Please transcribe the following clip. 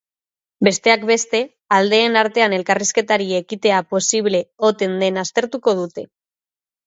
Besteak beste, aldeen artean elkarrizketari ekitea posible oten den aztertuko dute.